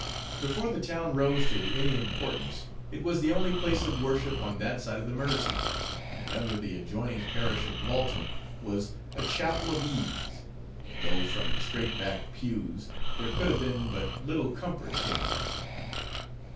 Before the town rose to any importance, it was the only place of worship on that side of the Mersey; and under the adjoining Parish of Walton was a chapel of ease; though from the straight backed pews, there could have been but little comfort taken in it.